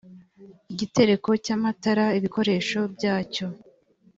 igitereko cy amatara ibikoresho byacyo